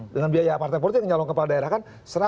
dengan biaya partai politik yang nyalong kepala daerah kan